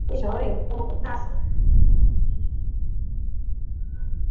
এ শহরের কোন ঘটনা আছে।